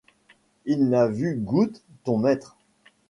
Il n'a vu goutte, ton maître !